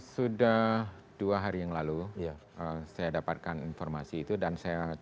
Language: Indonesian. sudah dua hari yang lalu saya dapatkan informasi itu dan saya